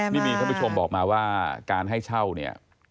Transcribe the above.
นี่มีท่านผู้ชมบอกมาว่าการให้เช่าเนี่ย